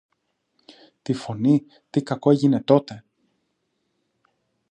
Τι φωνή, τι κακό έγινε τότε!